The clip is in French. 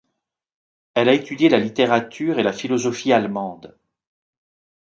Elle a étudié la littérature et la philosophie allemande.